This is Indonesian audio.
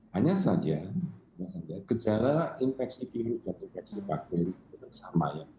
hanya saja kejar infeksi virus dan infeksi bakteri itu sama ya